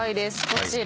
こちら。